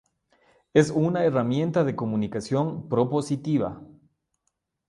es una herramienta de comunicación propositiva